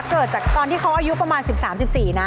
เกิดจากตอนที่เขาอายุประมาณ๑๓๑๔นะ